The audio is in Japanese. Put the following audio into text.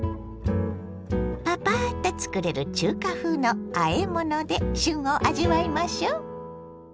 パパッと作れる中華風のあえもので旬を味わいましょう。